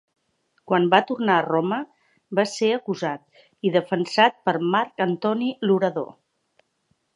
Quan va tornar a Roma va ser acusat, i defensat per Marc Antoni l'orador.